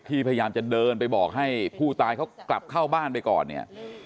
พยายามจะเดินไปบอกให้ผู้ตายเขากลับเข้าบ้านไปก่อนเนี่ย